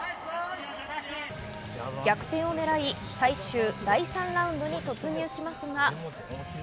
逆転をねらい最終第３ラウンドに突入しますが。